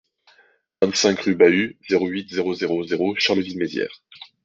vingt-cinq rue Bahut, zéro huit, zéro zéro zéro Charleville-Mézières